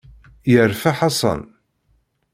Yerfa Ḥasan.